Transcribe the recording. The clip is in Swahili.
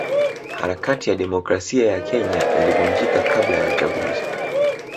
Harakati ya demokrasia ya Kenya ilivunjika kabla ya uchaguzi